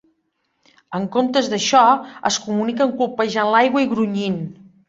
En comptes d'això, es comuniquen colpejant l'aigua i grunyint.